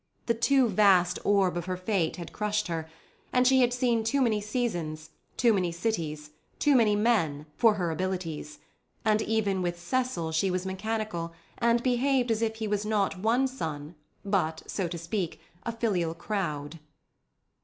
The too vast orb of her fate had crushed her; and she had seen too many seasons, too many cities, too many men, for her abilities, and even with Cecil she was mechanical, and behaved as if he was not one son, but, so to speak, a filial crowd.